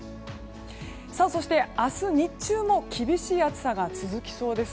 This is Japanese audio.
そして、明日日中も厳しい暑さが続きそうです。